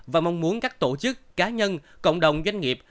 và mong muốn các tổ chức cá nhân cộng đồng doanh nghiệp